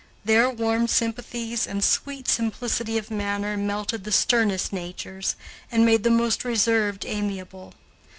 Their warm sympathies and sweet simplicity of manner melted the sternest natures and made the most reserved amiable.